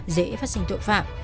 dễ phát sinh tội phạm